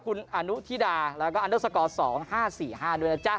คุณมรุษทิ์ดาแล้วก็อันเดิมสระของสองห้าสี่ห้าด้วยนะจ๊ะ